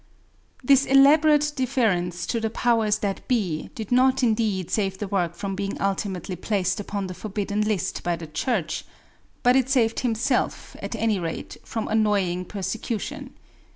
This elaborate deference to the powers that be did not indeed save the work from being ultimately placed upon the forbidden list by the Church, but it saved himself, at any rate, from annoying persecution.